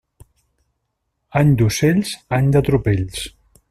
Any d'ocells, any de tropells.